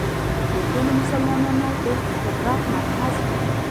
د ټولو مسلمانانو د قدرت مرکز وي.